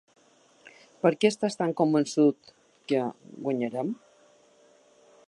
"Per què estàs tan convençut que guanyarem?"